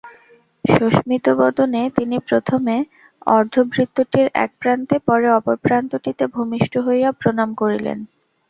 সস্মিতবদনে তিনি প্রথমে অর্ধবৃত্তটির এক প্রান্তে, পরে অপর প্রান্তটিতে ভূমিষ্ঠ হইয়া প্রণাম করিলেন।